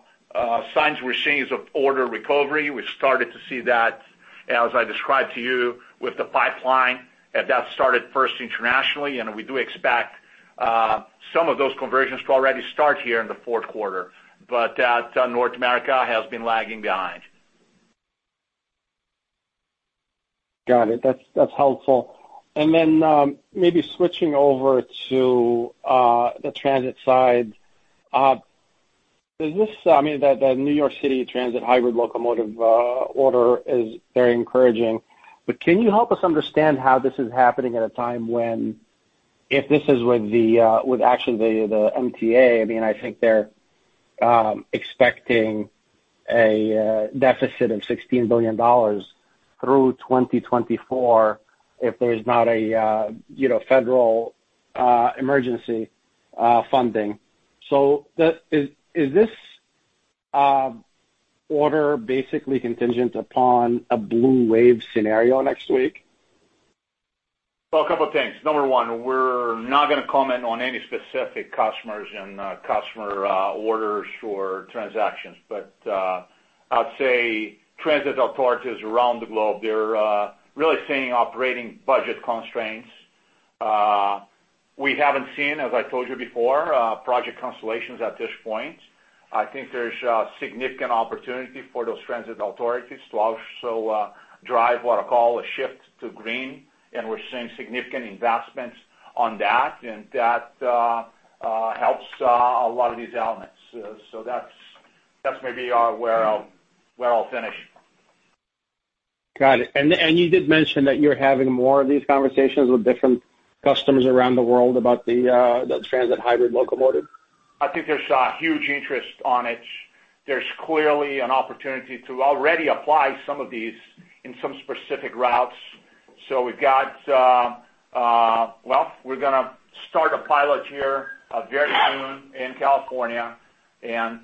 signs we're seeing is of order recovery. We've started to see that, as I described to you, with the pipeline that started first internationally, and we do expect some of those conversions to already start here in the fourth quarter, but North America has been lagging behind. Got it. That's helpful. And then maybe switching over to the transit side, I mean, the New York City Transit hybrid locomotive order is very encouraging. But can you help us understand how this is happening at a time when if this is with actually the MTA, I mean, I think they're expecting a deficit of $16 billion through 2024 if there's not a federal emergency funding. So is this order basically contingent upon a blue wave scenario next week? A couple of things. Number one, we're not going to comment on any specific customers and customer orders or transactions. But I'd say transit authorities around the globe, they're really seeing operating budget constraints. We haven't seen, as I told you before, project cancellations at this point. I think there's significant opportunity for those transit authorities to also drive what I'll call a shift to green. And we're seeing significant investments on that, and that helps a lot of these elements. So that's maybe where I'll finish. Got it. And you did mention that you're having more of these conversations with different customers around the world about the transit hybrid locomotive. I think there's a huge interest on it. There's clearly an opportunity to already apply some of these in some specific routes, so we've got, well, we're going to start a pilot here very soon in California, and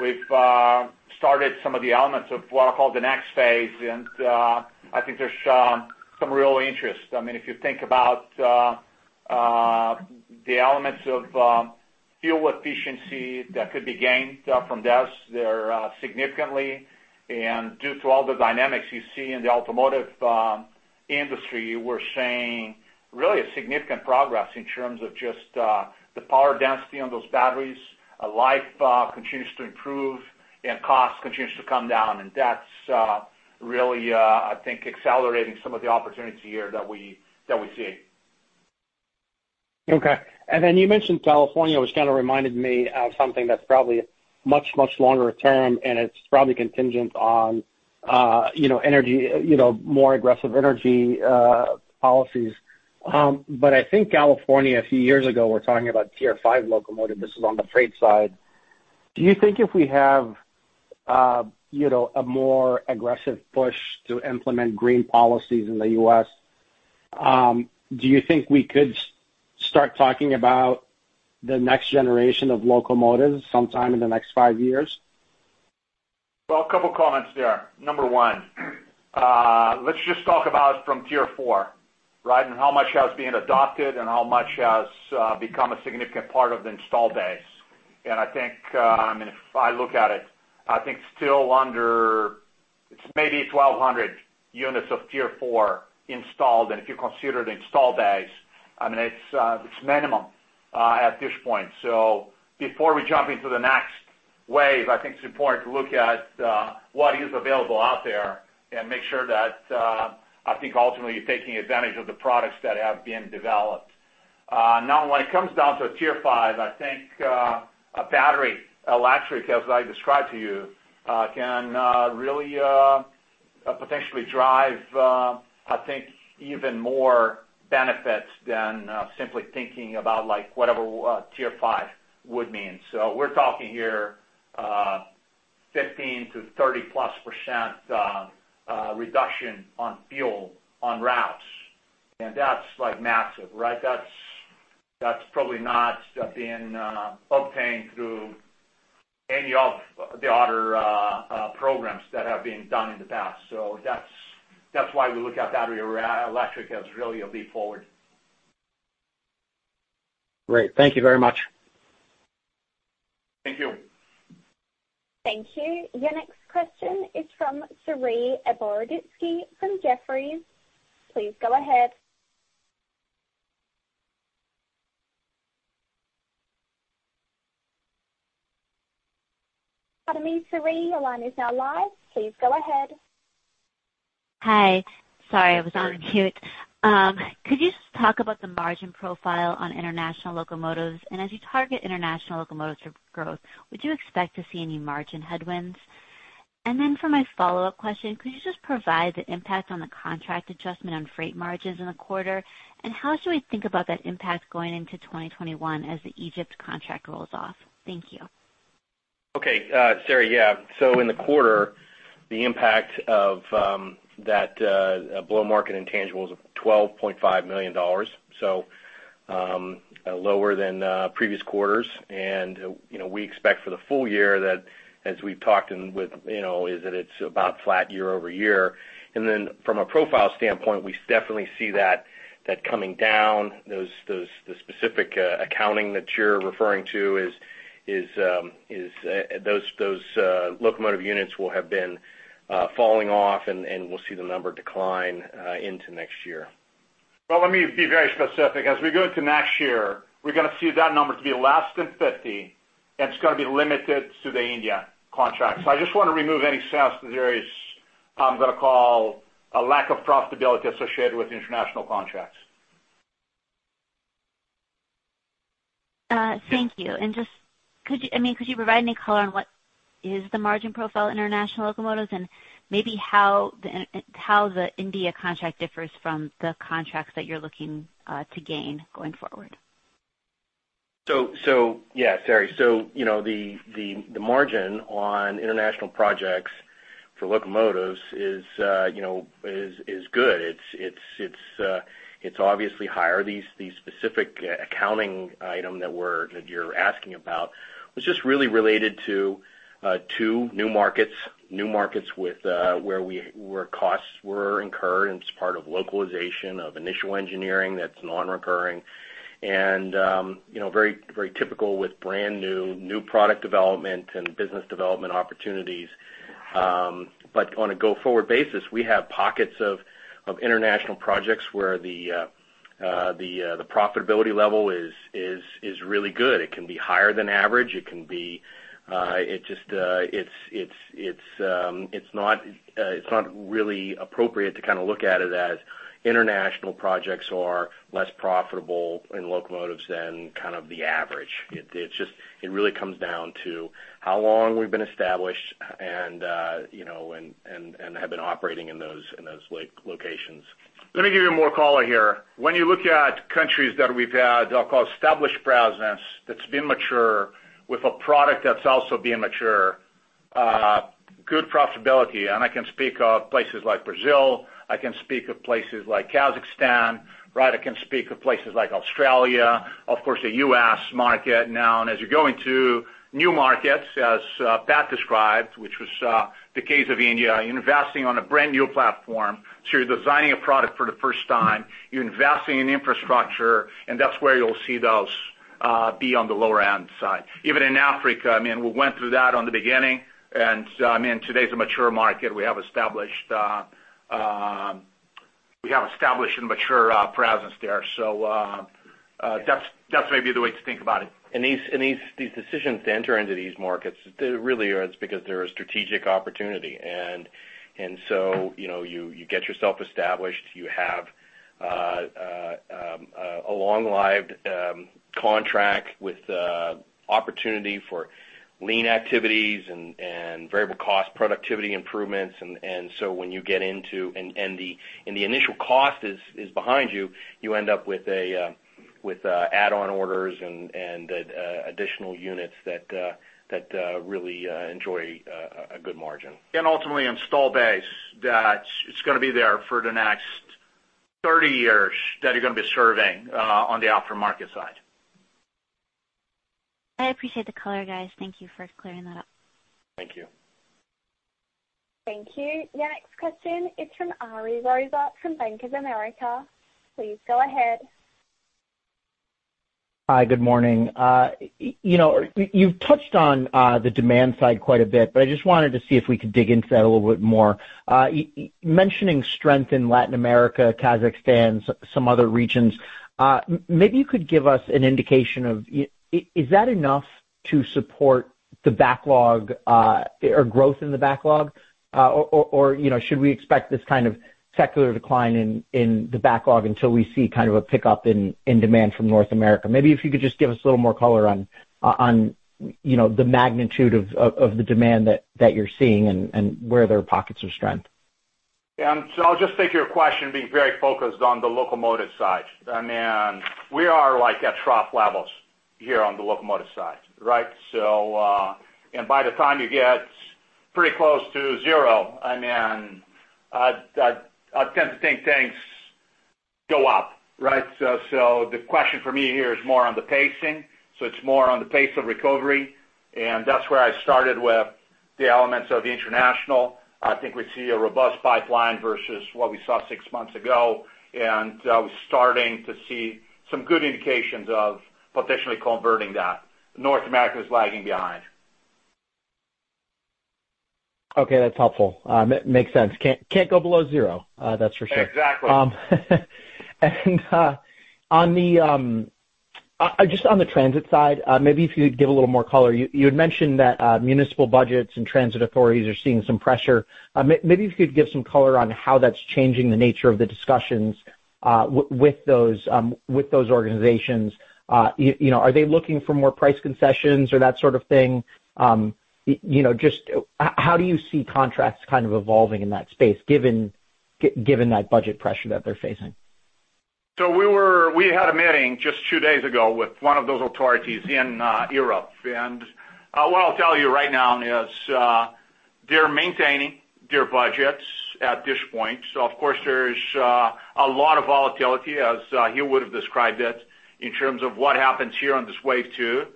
we've started some of the elements of what I'll call the next phase, and I think there's some real interest. I mean, if you think about the elements of fuel efficiency that could be gained from this, they're significantly, and due to all the dynamics you see in the automotive industry, we're seeing really significant progress in terms of just the power density on those batteries. Life continues to improve and cost continues to come down, and that's really, I think, accelerating some of the opportunity here that we see. Okay, and then you mentioned California, which kind of reminded me of something that's probably much, much longer term, and it's probably contingent on energy, more aggressive energy policies. But I think California a few years ago, we're talking about Tier 5 locomotive. This is on the freight side. Do you think if we have a more aggressive push to implement green policies in the U.S., do you think we could start talking about the next generation of locomotives sometime in the next five years? A couple of comments there. Number one, let's just talk about from Tier 4, right, and how much has been adopted and how much has become a significant part of the install base. And I think, I mean, if I look at it, I think still under it's maybe 1,200 units of Tier 4 installed. And if you consider the install base, I mean, it's minimum at this point. So before we jump into the next wave, I think it's important to look at what is available out there and make sure that I think ultimately you're taking advantage of the products that have been developed. Now, when it comes down to Tier 5, I think a battery, electric, as I described to you, can really potentially drive, I think, even more benefits than simply thinking about whatever Tier 5 would mean. So we're talking here 15%-30%+ reduction on fuel on routes. And that's massive, right? That's probably not being obtained through any of the other programs that have been done in the past. So that's why we look at battery or electric as really a leap forward. Great. Thank you very much. Thank you. Thank you. Your next question is from Saree Boroditsky from Jefferies. Please go ahead. Pardon me, Saree. Your line is now live. Please go ahead. Hi. Sorry, I was on mute. Could you just talk about the margin profile on international locomotives? And as you target international locomotives for growth, would you expect to see any margin headwinds? And then for my follow-up question, could you just provide the impact on the contract adjustment on freight margins in the quarter? And how should we think about that impact going into 2021 as the Egypt contract rolls off? Thank you. Okay. Saree, yeah. So in the quarter, the impact of that below-market intangible is $12.5 million. So lower than previous quarters. And we expect for the full year that, as we've talked with, is that it's about flat year over year. And then from a profile standpoint, we definitely see that coming down. The specific accounting that you're referring to is those locomotive units will have been falling off, and we'll see the number decline into next year. Let me be very specific. As we go into next year, we're going to see that number to be less than 50, and it's going to be limited to the India contract. So I just want to remove any sense that there is, I'm going to call, a lack of profitability associated with international contracts. Thank you. And just, I mean, could you provide any color on what is the margin profile of international locomotives and maybe how the India contract differs from the contracts that you're looking to gain going forward? So yeah, sorry. So the margin on international projects for locomotives is good. It's obviously higher. The specific accounting item that you're asking about was just really related to new markets, new markets where costs were incurred. And it's part of localization of initial engineering that's non-recurring. And very typical with brand new product development and business development opportunities. But on a go-forward basis, we have pockets of international projects where the profitability level is really good. It can be higher than average. It can be just, it's not really appropriate to kind of look at it as international projects are less profitable in locomotives than kind of the average. It really comes down to how long we've been established and have been operating in those locations. Let me give you more color here. When you look at countries that we've had, I'll call, established presence that's been mature with a product that's also been mature, good profitability. I can speak of places like Brazil. I can speak of places like Kazakhstan, right? I can speak of places like Australia, of course, the U.S. market. Now, as you're going to new markets, as Pat described, which was the case of India, you're investing on a brand new platform. So you're designing a product for the first time. You're investing in infrastructure, and that's where you'll see those be on the lower-end side. Even in Africa, I mean, we went through that in the beginning. I mean, today's a mature market. We have established a mature presence there. So that's maybe the way to think about it. These decisions to enter into these markets, really, it's because they're a strategic opportunity. You get yourself established. You have a long-lived contract with opportunity for lean activities and variable cost productivity improvements. When you get into and the initial cost is behind you, you end up with add-on orders and additional units that really enjoy a good margin. Ultimately, installed base that's going to be there for the next 30 years that you're going to be serving on the aftermarket side. I appreciate the color, guys. Thank you for clearing that up. Thank you. Thank you. Your next question is from Ari Rosa from Bank of America. Please go ahead. Hi, good morning. You've touched on the demand side quite a bit, but I just wanted to see if we could dig into that a little bit more. Mentioning strength in Latin America, Kazakhstan, some other regions, maybe you could give us an indication of is that enough to support the backlog or growth in the backlog? Or should we expect this kind of secular decline in the backlog until we see kind of a pickup in demand from North America? Maybe if you could just give us a little more color on the magnitude of the demand that you're seeing and where there are pockets of strength. Yeah. So I'll just take your question, being very focused on the locomotive side. I mean, we are at trough levels here on the locomotive side, right? And by the time you get pretty close to zero, I mean, I tend to think things go up, right? So the question for me here is more on the pacing. So it's more on the pace of recovery. And that's where I started with the elements of international. I think we see a robust pipeline versus what we saw six months ago. And we're starting to see some good indications of potentially converting that. North America is lagging behind. Okay. That's helpful. Makes sense. Can't go below zero, that's for sure. Exactly. And just on the transit side, maybe if you could give a little more color. You had mentioned that municipal budgets and transit authorities are seeing some pressure. Maybe if you could give some color on how that's changing the nature of the discussions with those organizations. Are they looking for more price concessions or that sort of thing? Just how do you see contracts kind of evolving in that space given that budget pressure that they're facing? So we had a meeting just two days ago with one of those authorities in Europe. And what I'll tell you right now is they're maintaining their budgets at this point. So of course, there's a lot of volatility, as he would have described it, in terms of what happens here on this wave two.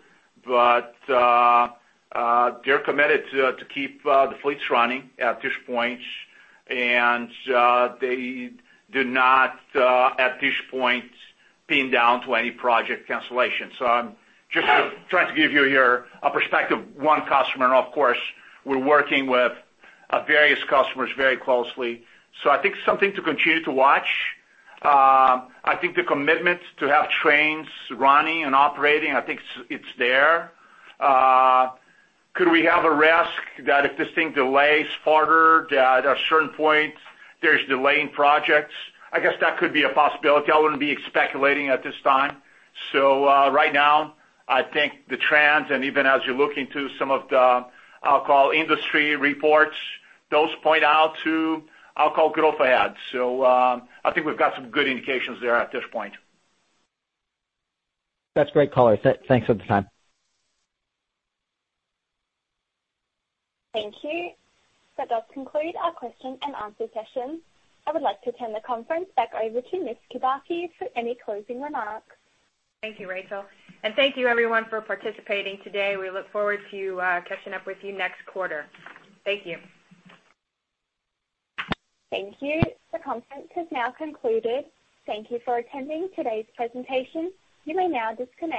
But they're committed to keep the fleets running at this point. And they do not, at this point, pin down to any project cancellation. So I'm just trying to give you here a perspective, one customer. And of course, we're working with various customers very closely. So I think something to continue to watch. I think the commitment to have trains running and operating, I think it's there. Could we have a risk that if this thing delays further, that at a certain point, there's delaying projects? I guess that could be a possibility. I wouldn't be speculating at this time. So right now, I think the trend, and even as you're looking to some of the, I'll call, industry reports, those point out to, I'll call, growth ahead. So I think we've got some good indications there at this point. That's great color. Thanks for the time. Thank you. That does conclude our question and answer session. I would like to turn the conference back over to Ms. Kubacki for any closing remarks. Thank you, Rachel. And thank you, everyone, for participating today. We look forward to catching up with you next quarter. Thank you. Thank you. The conference has now concluded. Thank you for attending today's presentation. You may now disconnect.